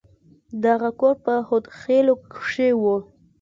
دغه کور په هود خيلو کښې و.